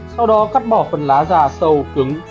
sau đó cắt bỏ phần lá da sâu cứng